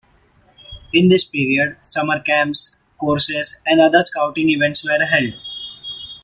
In this period, summer camps, courses and other Scouting events were held.